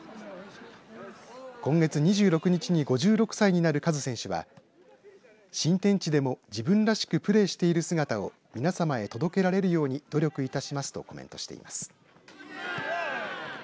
今月２６日に５６歳になるカズ選手は新天地でも自分らしくプレーしている姿を皆さまへ届けられるように努力いたしますとコメントしています。